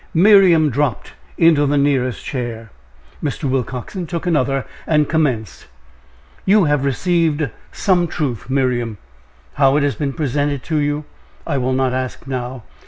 Miriam dropped into the nearest chair. Mr. Willcoxen took another, and commenced: "You have received some truth, Miriam. How it has been presented to you, I will not ask now.